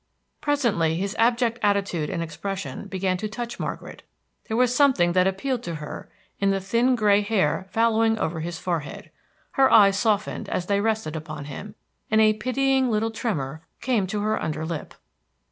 Presently his abject attitude and expression began to touch Margaret; there was something that appealed to her in the thin gray hair fallowing over his forehead. Her eyes softened as they rested upon him, and a pitying little tremor came to her under lip.